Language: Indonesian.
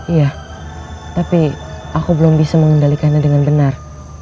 iya tapi aku belum bisa mengendalikannya dengan benar